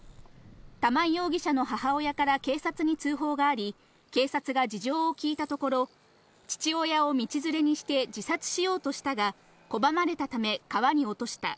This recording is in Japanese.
玉井容疑者の母親から警察に通報があり、警察が事情を聴いたところ、父親を道連れにして、自殺しようとしたが、拒まれたため川に落とした。